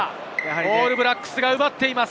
オールブラックスが奪っています。